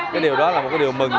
cái điều đó là một cái điều mừng